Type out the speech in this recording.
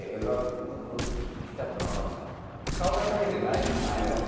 顔が描けてないんですよ。